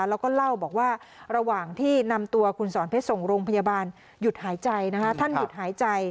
แล้วก็เล่าบอกว่าระหว่างที่นำตัวคุณสอนเพชรส่งโรงพยาบาลหยุดหายใจนะคะท่านหยุดหายใจ